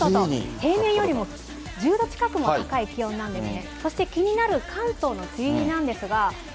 平年よりも１０度近くも高い気温なんですね。